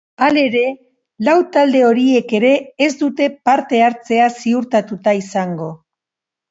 Halere, lau talde horiek ere ez dute parte-hartzea ziurtatuta izango.